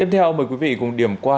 chào mời quý vị cùng điểm qua